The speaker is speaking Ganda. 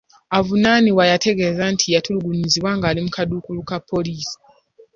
Avunaanibwa yategeeza nti yatulugunyizibwa nga ali mu kaduukulu ka poliisi.